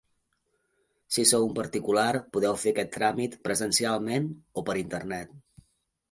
Si sou un particular podeu fer aquest tràmit presencialment o per internet.